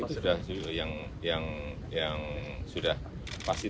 sudah itu sudah yang sudah pasti tujuh belas